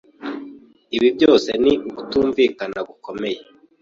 Ibi byose ni ukutumvikana gukomeye.